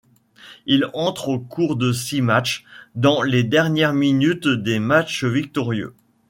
Il entre au cours de six matchs, dans les dernières minutes des matchs victorieux.